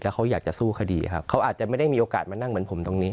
ถ้าเขาอยากจะสู้คดีครับเขาอาจจะไม่ได้มีโอกาสมานั่งเหมือนผมตรงนี้